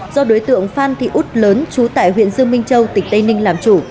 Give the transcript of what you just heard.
do đối tượng phan thị út lớn trú tại huyện dương minh châu tỉnh tây ninh làm chủ